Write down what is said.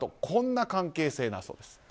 こんな関係性だそうです。